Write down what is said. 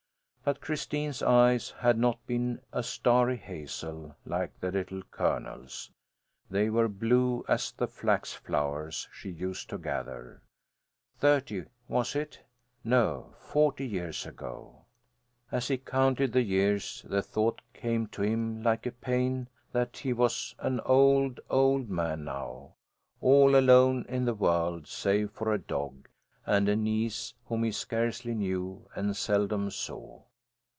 But Christine's eyes had not been a starry hazel like the Little Colonel's. They were blue as the flax flowers she used to gather thirty, was it? No, forty years ago. As he counted the years, the thought came to him like a pain that he was an old, old man now, all alone in the world, save for a dog, and a niece whom he scarcely knew and seldom saw.